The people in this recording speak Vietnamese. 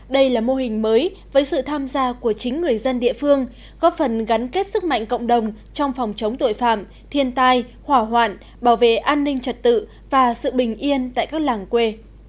đây là mô hình mới với sự tham gia của chính người dân địa phương góp phần gắn kết sức mạnh cộng đồng trong phòng chống tội phạm thiên tai hỏa hoạn bảo vệ an ninh trật tự và sự bình yên tại các làng quê